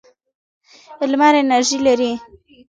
لمر انرژي لري.